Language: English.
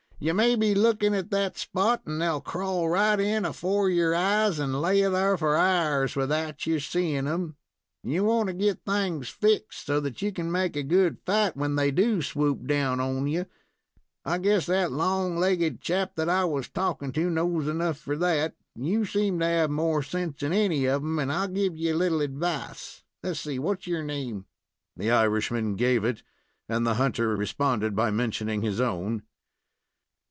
You may be lookin' at that spot, and they'll crawl right in afore you'r eyes, and lay thar for hours without your seein' 'em. You want to get things fixed, so that you can make a good fight when they do swoop down on you. I guess that long legged chap that I was talkin' to knows enough for that. You seem to have more sense than any of 'em, and I'll give you a little advice. Let's see, what's your name?" The Irishman gave it, and the hunter responded by mentioning his own.